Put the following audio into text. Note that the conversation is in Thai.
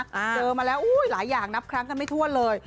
เจอมาแล้วอุ้ยหลายอย่างนับครั้งกันไม่ทั่วเลย